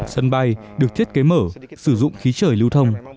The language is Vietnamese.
sân bay được thiết kế mở sử dụng khí chởi lưu thông